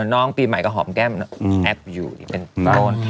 น้องปีใหม่ก็หอมแก้มแอปอยู่นี่เป็นก้อน